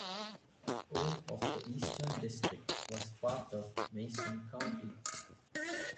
All of the Eastern District was part of Mason County.